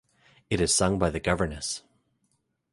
It is sung by the Governess.